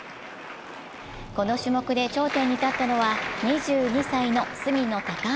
この種目で頂点に立ったのは２２歳の杉野正尭。